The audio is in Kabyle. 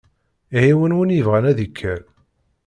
Ɛiwen win ibɣan ad ikker.